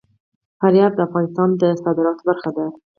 فاریاب د افغانستان د صادراتو برخه ده.